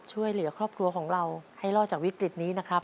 ช่วยเหลือครอบครัวของเราให้รอดจากวิกฤตนี้นะครับ